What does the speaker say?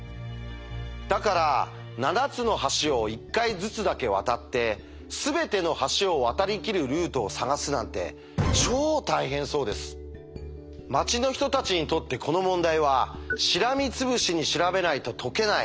だから７つの橋を１回ずつだけ渡ってすべての橋を渡りきるルートを探すなんて町の人たちにとってこの問題はしらみつぶしに調べないと解けない